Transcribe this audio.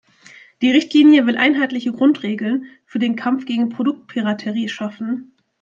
Die Richtlinie will einheitliche Grundregeln für den Kampf gegen Produktpiraterie schaffen.